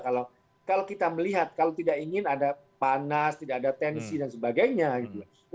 kalau kita melihat kalau tidak ingin ada panas tidak ada tensi dan sebagainya gitu